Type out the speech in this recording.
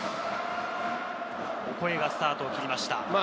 オコエがスタートを切りました。